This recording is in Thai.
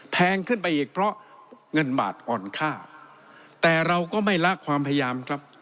แพงขึ้นไปอีกเพราะเงินบาทอ่อนค่าแต่เราก็ไม่ละความพยายามครับ